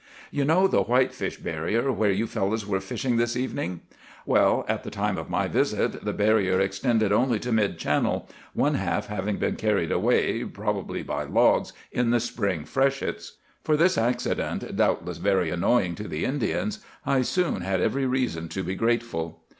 "You know the whitefish barrier where you fellows were fishing this evening. Well, at the time of my visit the barrier extended only to mid channel, one half having been carried away, probably by logs, in the spring freshets. For this accident, doubtless very annoying to the Indians, I soon had every reason to be grateful.